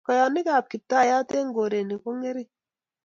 kayonikab kiptayat eng' koreni ko ng'ering'